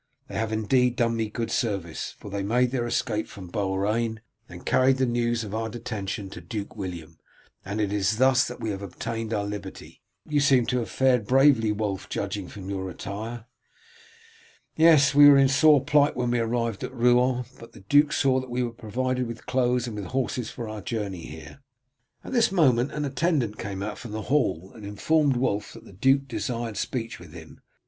'They have indeed done me good service, for they made their escape from Beaurain and carried the news of our detention to Duke William, and it is thus that we have all obtained our liberty.' You seem to have fared bravely, Wulf, judging from your attire." "Yes, we were in sore plight when we arrived at Rouen, but the duke saw that we were provided with clothes and with horses for our journey here." At this moment an attendant came out from the hall and informed Wulf that the duke desired speech with him.